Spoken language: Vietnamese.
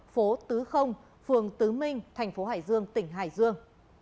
phố tứ không phường tứ minh tp hải dương tỉnh hải dương